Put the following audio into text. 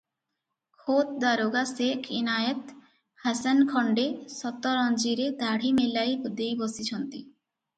ଖୋଦ୍ ଦାରୋଗା ସେଖ୍ ଇନାଏତ୍ ହୋସେନ ଖଣ୍ତେ ସତରଞ୍ଜିରେ ଦାଢ଼ି ମେଲାଇ ଦେଇ ବସିଛନ୍ତି ।